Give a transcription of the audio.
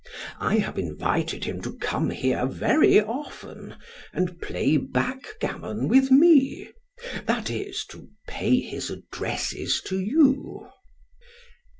I have invited him to come here very often, and play backgammon with me that is, to pay his addresses to you."